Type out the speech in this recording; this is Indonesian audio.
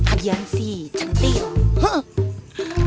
agian sih cantik